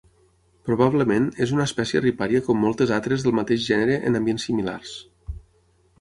Probablement, és una espècie ripària com moltes altres del mateix gènere en ambients similars.